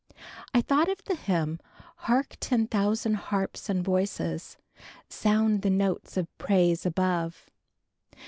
I thought of the hymn, "Hark ten thousand harps and voices, Sound the notes of praise above."